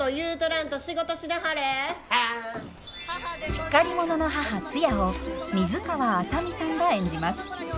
しっかり者の母ツヤを水川あさみさんが演じます。